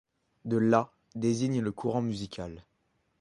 De là, désigne le courant musical.